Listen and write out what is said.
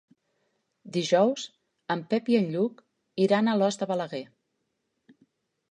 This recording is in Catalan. Dijous en Pep i en Lluc iran a Alòs de Balaguer.